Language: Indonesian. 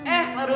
eh lah rudy